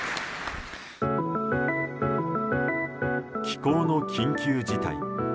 気候の緊急事態。